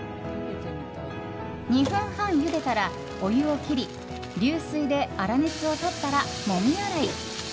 ２分半ゆでたら、お湯を切り流水で粗熱をとったら、もみ洗い。